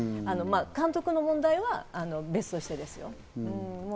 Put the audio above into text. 監督の問題は別としてですよ。